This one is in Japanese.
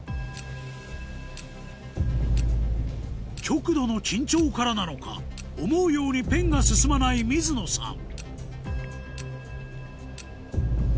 極度の緊張からなのか思うようにペンが進まない水野さん